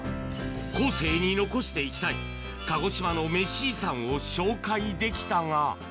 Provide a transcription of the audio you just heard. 後世に残していきたい鹿児島のメシ遺産を紹介できたが。